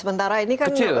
sementara ini kan